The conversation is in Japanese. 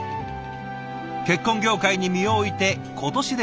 結婚業界に身を置いて今年で１０年。